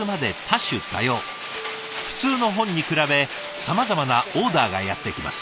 普通の本に比べさまざまなオーダーがやって来ます。